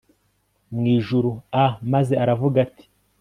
mu ijuru a maze aravuga ati